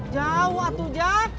jauh tuh jak